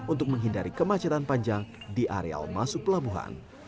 untuk menghindari kemacetan panjang di areal masuk pelabuhan